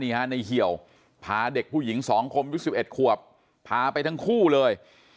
ในเหี่ยวพาเด็กผู้หญิง๒คมยุค๑๑ขวบพาไปทั้งคู่เลย